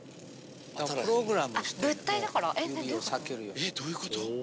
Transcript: えっどういうこと？